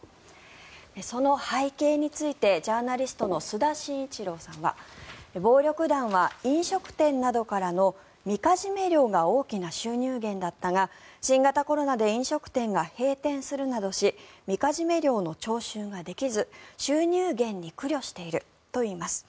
その背景についてジャーナリストの須田慎一郎さんは暴力団は飲食店などからのみかじめ料が大きな収入源だったが新型コロナで飲食店が閉店するなどしみかじめ料の徴収ができず収入減に苦慮しているといいます。